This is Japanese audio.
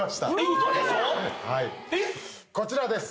こちらです。